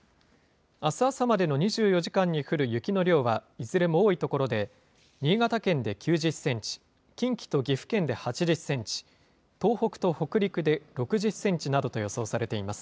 あす朝までの２４時間に降る雪の量は、いずれも多い所で新潟県で９０センチ、近畿と岐阜県で８０センチ、東北と北陸で６０センチなどと予想されています。